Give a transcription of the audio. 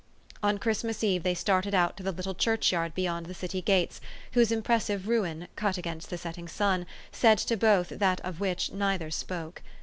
On Christmas Eve they started out to the little churchyard beyond the city gates, whose impres sive ruin, cut against the setting sun, said to both that of which neither spoke.